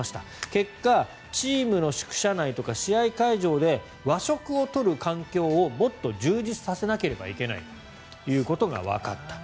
結果、チームの宿舎内とか試合会場で和食を取る環境をもっと充実させなければいけないということがわかった。